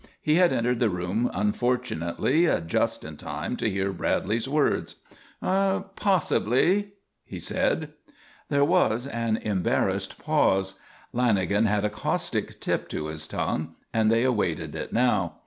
He had entered the room unfortunately just in time to hear Bradley's words. "Possibly," he said. There was an embarrassed pause. Lanagan had a caustic tip to his tongue and they awaited it now.